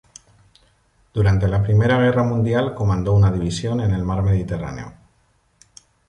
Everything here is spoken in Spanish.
Durante la primera guerra mundial comandó una división en el mar Mediterráneo.